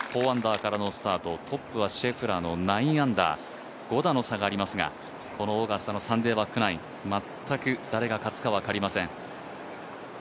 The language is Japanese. ４アンダーからのスタート、トップはシェフラーの９アンダー、５打の差がありますが、このオーガスタのサンデーバックナイン全く誰が勝つか分かりません。